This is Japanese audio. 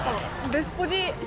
ベスポジ。